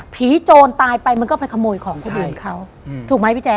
โจรตายไปมันก็ไปขโมยของคนอื่นเขาถูกไหมพี่แจ๊